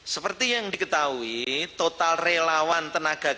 seperti yang diketahui total relawan tenaga kerja